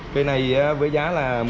cây này với giá là một mươi tỷ đồng